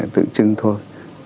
tự chưng thôi